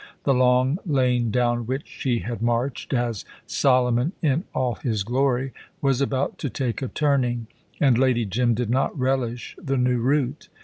The long lane down which she had marched as Solomon in all his glory was about to take a turning, and Lady Jim did not relish the new route.